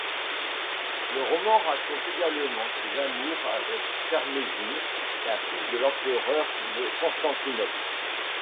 Le roman raconte également ses amours avec Carmésine, la fille de l'empereur de Constantinople.